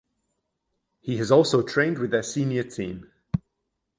He has also trained with their senior team.